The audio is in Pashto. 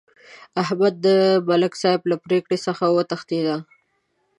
احمد د ملک صاحب له پرېکړې څخه وتښتېدا.